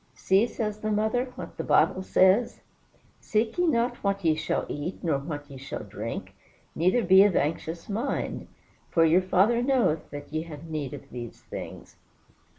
"See," says the mother, "what the Bible says: 'Seek ye not what ye shall eat, nor what ye shall drink, neither be of anxious mind. For your Father knoweth that ye have need of these things.'"